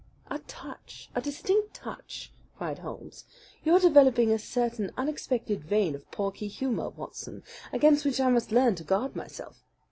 "A touch! A distinct touch!" cried Holmes. "You are developing a certain unexpected vein of pawky humour, Watson, against which I must learn to guard myself.